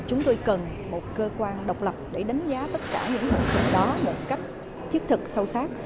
chúng tôi cần một cơ quan độc lập để đánh giá tất cả những mục tiêu đó một cách thiết thực sâu sát